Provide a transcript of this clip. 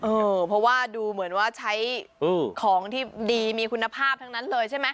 เพราะว่าดูเหมือนว่าใช้ของที่ดีมีคุณภาพทั้งนั้นเลยใช่ไหม